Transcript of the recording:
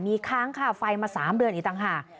มีค้างค่าไฟมา๓เดือนอีกต่างหาก